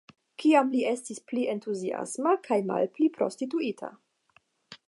Kiam li estis pli entuziasma kaj malpli prostituita.